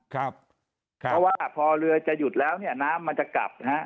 เพราะว่าพอเรือจะหยุดแล้วเนี่ยน้ำมันจะกลับนะฮะ